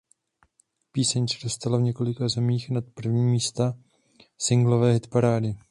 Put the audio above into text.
Píseň se dostala v několika zemích na první místo singlové hitparády.